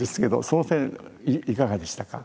その点いかがでしたか？